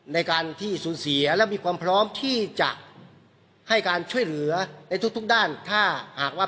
ในการที่สูญเสียและมีความพร้อมที่จะให้การช่วยเหลือในทุกทุกด้านถ้าหากว่า